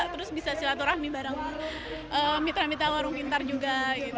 terus bisa silaturahmi bareng mitra mitra warung pintar juga